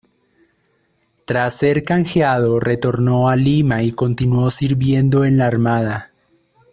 Tras ser canjeado, retornó a Lima y continuó sirviendo en la armada.